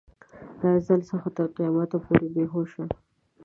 له ازل څخه تر قیامته پورې بې هوشه.